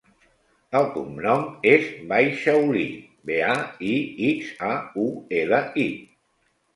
El cognom és Baixauli: be, a, i, ics, a, u, ela, i.